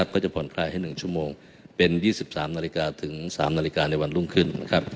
ก็จะผ่อนคลายให้๑ชั่วโมงเป็น๒๓นาฬิกาถึง๓นาฬิกาในวันรุ่งขึ้น